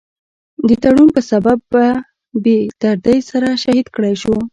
د تړون پۀ سبب پۀ بي دردۍ سره شهيد کړے شو ۔